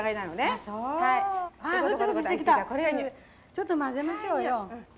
ちょっと混ぜましょうよ。